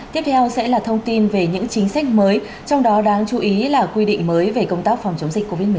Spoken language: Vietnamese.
tiếp theo sẽ là thông tin về những chính sách mới trong đó đáng chú ý là quy định mới về công tác phòng chống dịch covid một mươi chín